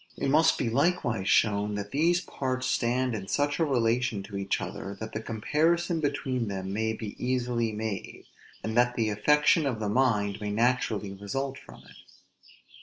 It must be likewise shown, that these parts stand in such a relation to each other, that the comparison between them may be easily made, and that the affection of the mind may naturally result from it.